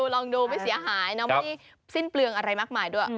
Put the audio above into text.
ลองดูไม่เสียหายน้องไม่ได้สิ้นเปลืองอะไรมากมายด้วย